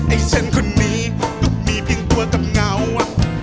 ไอ้ฉันคนนี้ต้องมีเพียงตัวกับเงา